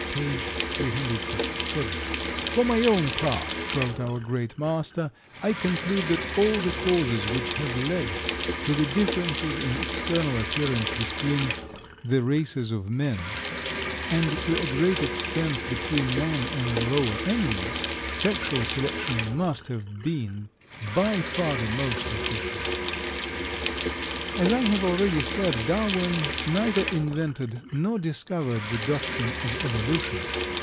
p. 367). "For my own part," wrote our great master, "I conclude that of all the causes which have led to the differences in external appearance between the races of men, and to a great extent between man and the lower animals, sexual selection must have been by far the most efficient." As I have already said, Darwin neither invented nor discovered the doctrine of Evolution.